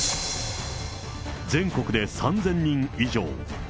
全国で３０００人以上。